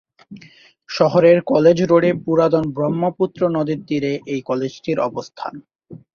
শহরের কলেজ রোডে পুরাতন ব্রহ্মপুত্র নদের তীরে এই কলেজটির অবস্থান।